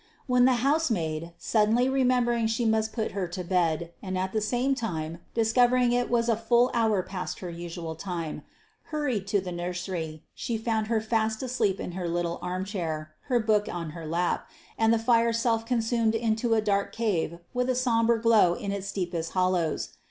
When the housemaid, suddenly remembering she must put her to bed, and at the same time discovering it was a whole hour past her usual time, hurried to the nursery, she found her fast asleep in her little armchair, her book on her lap, and the fire self consumed into a dark cave with a sombre glow in its deepest hollows.